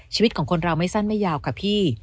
ชีวิตของคนเราไม่สั้นไม่ยาวค่ะพี่